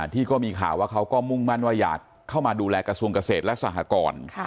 ที่ก็มีข่าวว่าเขาก็มุ่งมั่นว่าอยากเข้ามาดูแลกระทรวงเกษตรและสหกร